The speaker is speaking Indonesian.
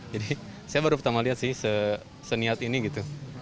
jadi saya baru pertama lihat sih seniat ini gitu